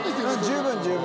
十分、十分。